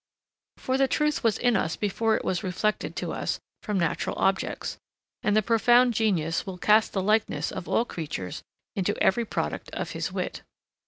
For the truth was in us before it was reflected to us from natural objects; and the profound genius will cast the likeness of all creatures into every product of his wit.